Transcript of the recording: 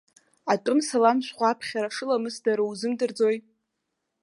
Атәым салам шәҟәы аԥхьара шламысдароу узымдырӡои?